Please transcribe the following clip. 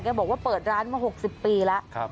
บอกว่าเปิดร้านมา๖๐ปีแล้ว